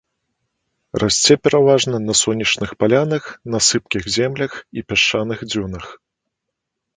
Расце пераважна на сонечных палянах на сыпкіх землях і пясчаных дзюнах.